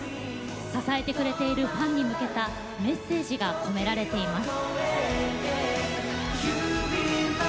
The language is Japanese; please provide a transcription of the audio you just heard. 支えてくれているファンに向けたメッセージが込められています。